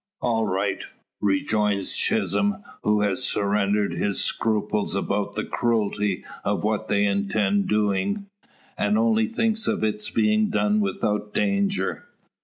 "All right!" rejoins Chisholm, who has surrendered his scruples about the cruelty of what they intend doing, and only thinks of its being done without danger.